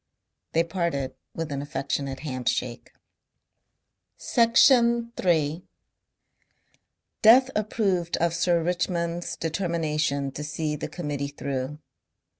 They parted with an affectionate handshake. Section 3 Death approved of Sir Richmond's determination to see the Committee through.